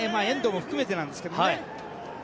遠藤も含めてなんですけどね。